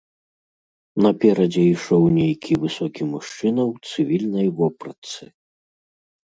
Наперадзе ішоў нейкі высокі мужчына ў цывільнай вопратцы.